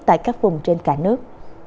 tại các vùng trên cả nước